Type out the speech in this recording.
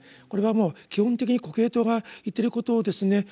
これはもう基本的にコヘレトが言ってることをですね